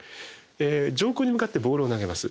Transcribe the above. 上空に向かってボールを投げます。